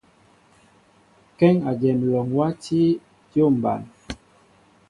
Kéŋ éjem alɔŋ wati dyȏm ɓăn.